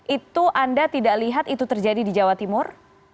itu anda tidak lihat itu terjadi di jawa timur